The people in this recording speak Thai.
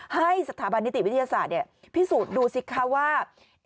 ให้สถาบันนิติวิทยาศาสตร์พิสูจน์ดูสิคะว่า